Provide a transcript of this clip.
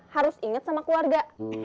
harus inget sama keluarga